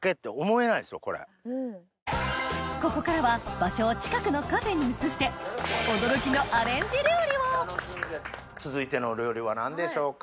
ここからは場所を近くのカフェに移して続いてのお料理は何でしょうか？